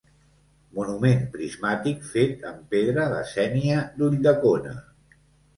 Monument prismàtic fet amb pedra de sénia d'Ulldecona.